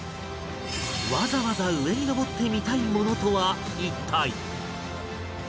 わざわざ上に上って見たいものとは一体？